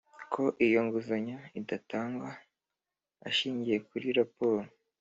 ko iyo nguzanyo idatangwa ashingiye kuri raporo